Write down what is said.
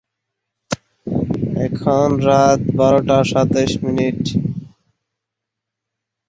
এই চারটি দেশ ও অঞ্চল হল সিঙ্গাপুর, দক্ষিণ কোরিয়া, হংকং ও তাইওয়ান।